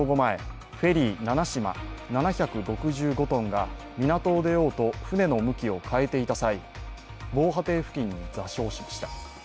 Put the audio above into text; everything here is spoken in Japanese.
７６５ｔが港を出ようと船の向きを変えていた際、防波堤付近に座礁しました。